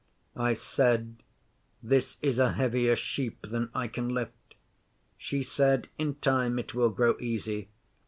'I said, "This is a heavier sheep than I can lift." She said, "In time it will grow easy.